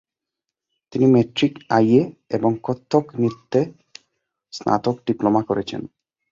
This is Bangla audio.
তিনি ম্যাট্রিক, আইএ এবং কত্থক নৃত্যে স্নাতক ডিপ্লোমা করেছেন।